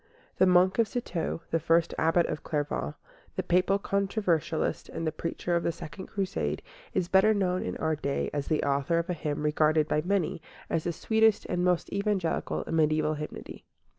The monk of Citeaux, the first Abbot of Clairvaux, the Papal controversialist and the preacher of the Second Crusade, is better known in our day as the author of a hymn regarded by many as the sweetest and most Evangelical in mediæval hymnody.